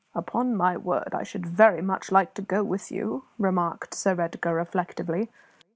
"Upon my word, I should very much like to go with you," remarked Sir Edgar, reflectively.